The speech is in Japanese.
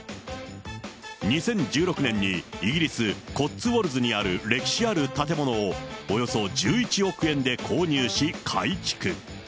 ２０１６年にイギリス・コッツウォルズにある、歴史ある建物をおよそ１１億円で購入し、改築。